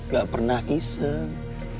gak pernah iseng